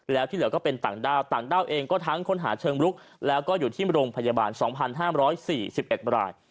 แล้วที่เหลือก็เป็นต่างด้าวต่างด้าวเองก็ทั้งคนหาเชิงลุกแล้วก็อยู่ที่โรงพยาบาลสองพันห้ามร้อยสี่สิบเอ็ดราย